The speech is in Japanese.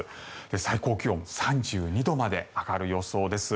最高気温３２度まで上がる予想です。